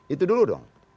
itu dulu dong